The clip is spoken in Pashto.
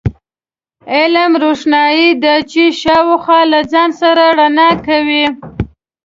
علم، روښنایي ده چې شاوخوا له ځان سره رڼا کوي.